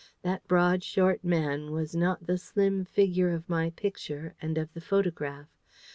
That broad, short man was not the slim figure of my Picture and of the photograph.